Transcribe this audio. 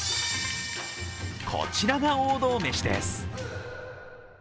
こちらが王道メシです。